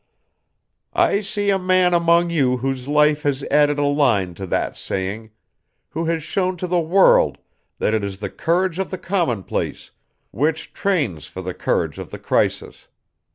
"I see a man among you whose life has added a line to that saying, who has shown to the world that it is the courage of the commonplace which trains for the courage of the crisis.